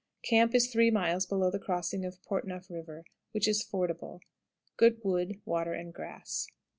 Camp is three miles below the crossing of Port Neuf River, which is fordable. Good wood, water, and grass.